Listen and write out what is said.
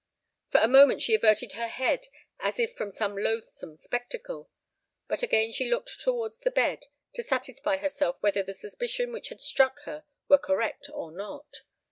For a moment she averted her head as if from some loathsome spectacle; but again she looked towards the bed, to satisfy herself whether the suspicion which had struck her were correct or not.